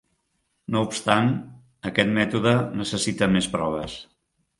No obstant, aquest mètode necessita més proves.